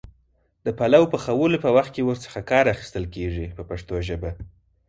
د پلو پخولو په وخت کې ور څخه کار اخیستل کېږي په پښتو ژبه.